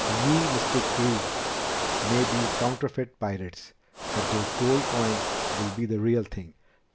Ye Mystic Krewe may be counterfeit pirates, but those gold coins will be the real thing.